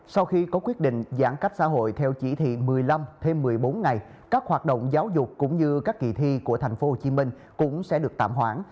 sau khi có quyết định giãn cách xã hội theo chỉ thị một mươi năm thêm một mươi bốn ngày các hoạt động giáo dục cũng như các kỳ thi của thành phố hồ chí minh cũng sẽ được tạm hoãn